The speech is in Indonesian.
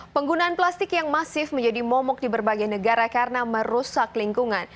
penggunaan plastik yang masif menjadi momok di berbagai negara karena merusak lingkungan